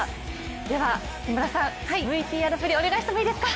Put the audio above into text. では木村さん、ＶＴＲ振り、お願いしてもいいですか。